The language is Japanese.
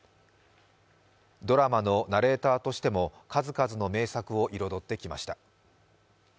ドラマのナレーターとしても数々の名作を彩ってきました。